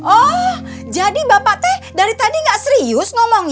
oh jadi bapak teh dari tadi nggak serius ngomongnya